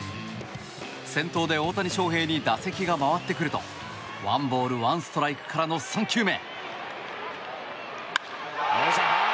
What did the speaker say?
先頭で大谷翔平に打席が回ってくると１ボール１ストライクからの３球目。